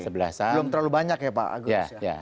belum terlalu banyak ya pak agus